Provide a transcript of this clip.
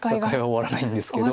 終わらないんですね。